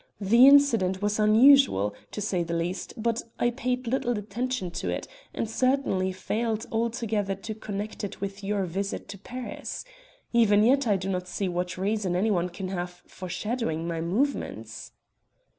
The incident was unusual, to say the least, but I paid little attention to it, and certainly failed altogether to connect it with your visit to Paris. Even yet I do not see what reason anyone can have for shadowing my movements."